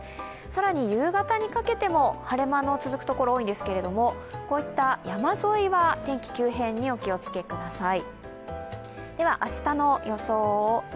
更に夕方にかけても晴れ間の続く所が多いんですけれども、こういった山沿いは天気急変にお気をつけください。